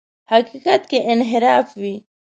حقیقت کې انحراف وي.